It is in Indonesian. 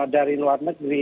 dari luar negeri